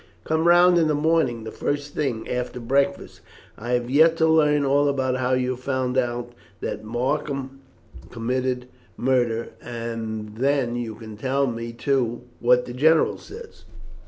Come round in the morning the first thing after breakfast. I have yet to learn all about how you found out that Markham committed that murder, and then you can tell me, too, what the general says."